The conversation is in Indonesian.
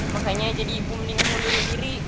makanya jadi ibu mendingan ngundur diri